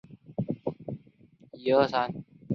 地名源自于当地的长延寺。